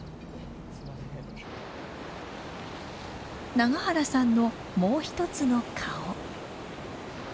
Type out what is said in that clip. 永原さんのもう一つの顔。